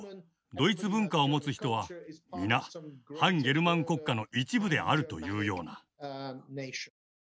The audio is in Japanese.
ドイツ文化を持つ人は皆汎ゲルマン国家の一部であるというような。